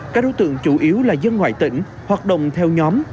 các đối tượng chủ yếu là dân ngoại tỉnh hoạt động theo nhóm